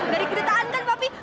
dari kedutaan kan papi